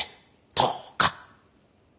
どうか。